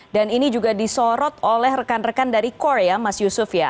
dan ini juga disorot oleh rekan rekan dari kore ya mas yusuf ya